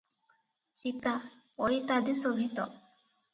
ଚିତା-ପଇତାଦି ଶୋଭିତ ।।